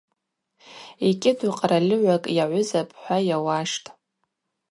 Йкӏьыду къральыгӏвакӏ йагӏвызапӏ хӏва йауаштӏ.